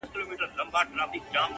گراني ټوله شپه مي؛